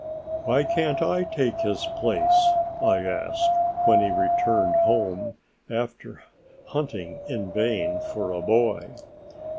"Why can't I take his place?" I asked, when he returned home after hunting in vain for a boy.